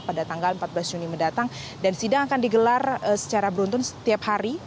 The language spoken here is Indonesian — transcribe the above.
pada tanggal empat belas juni mendatang dan sidang akan digelar secara beruntun setiap hari